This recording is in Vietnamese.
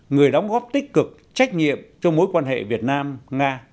người đóng góp tích cực trách nhiệm cho mối quan hệ việt nam nga